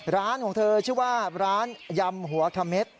ร้านของเธอชื่อว่าร้านยำหัวเขม็ด